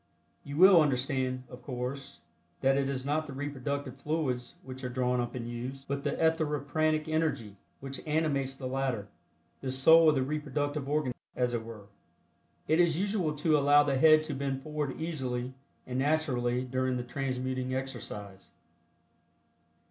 You will understand, of course, that it is not the reproductive fluids which are drawn up and used, but the etheripranic energy which animates the latter, the soul of the reproductive organism, as it were. It is usual to allow the head to bend forward easily and naturally during the transmuting exercise.